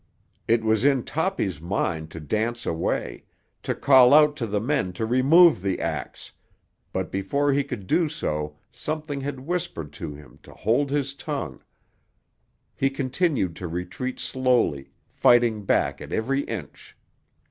It was in Toppy's mind to dance away, to call out to the men to remove the axe; but before he could do so something had whispered to him to hold his tongue. He continued to retreat slowly, fighting back at every inch.